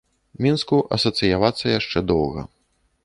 Мінску асацыявацца яшчэ доўга.